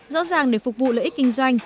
rõ ràng để phục vụ lợi ích kinh doanh